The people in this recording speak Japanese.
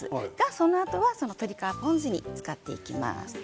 そのあとは鶏皮ポン酢で使っていきます。